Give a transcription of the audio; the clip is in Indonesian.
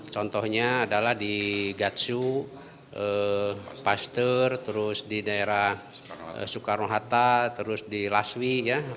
contohnya adalah di gatsu paster terus di daerah soekarno hatta terus di laswi